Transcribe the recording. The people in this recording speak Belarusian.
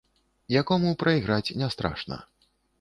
Якому прайграць не страшна.